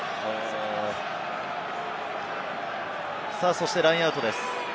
そしてラインアウトです。